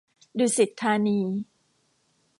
ดุสิตธานี